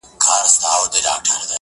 نه له پلاره پاتېده پاچهي زوى ته،